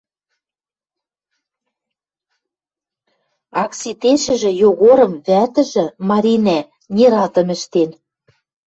Акситешӹжӹ Йогорым вӓтӹжӹ, Маринӓ, нератым ӹштен.